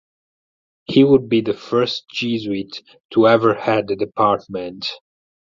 He would be the first Jesuit to ever head the department.